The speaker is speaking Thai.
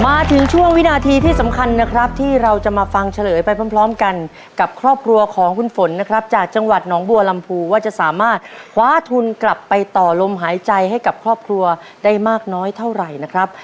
มาถึงช่วงวินาทีที่สำคัญนะครับที่เราจะมาฟังเฉลยไปพร้อมกันกับครอบครัวของคุณฝนนะครับจากจังหวัดหนองบัวลำพูว่าจะสามารถคว้าทุนกลับไปต่อลมหายใจให้กับครอบครัวได้มากน้อยเท่าไหร่นะครับ